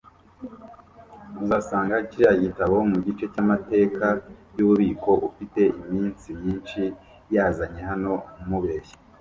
Uzasanga kiriya gitabo mugice cyamateka yububiko. Ufite imitsi myinshi yanzanye hano mubeshya.